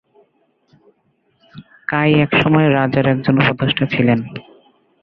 কাই এক সময় রাজার একজন উপদেষ্টা ছিলেন।